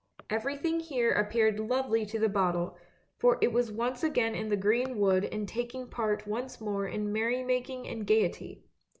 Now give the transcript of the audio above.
Everything here appeared lovely to the bottle, for it was once again in the green wood and taking part once more in merry making and gaiety.